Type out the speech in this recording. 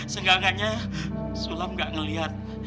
seenggak enggaknya sulam gak ngeliat